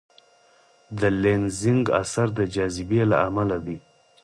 د لینزینګ اثر د جاذبې له امله دی.